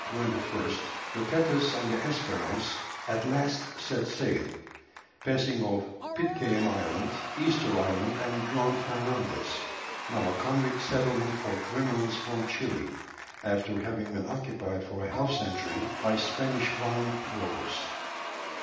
"] On September 21st the Thetis and the Espérance at last set sail; passing off Pitcairn Island, Easter Island, and Juan Fernandez, now a convict settlement for criminals from Chili, after having been occupied for a half century by Spanish vine growers.